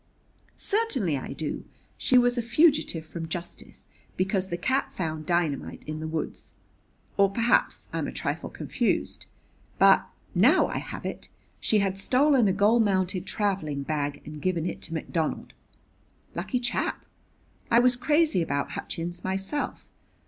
"Certainly I do. She was a fugitive from justice because the cat found dynamite in the woods. Or perhaps I'm a trifle confused, but Now I have it! She had stolen a gold mounted traveling bag and given it to McDonald. Lucky chap! I was crazy about Hutchins myself.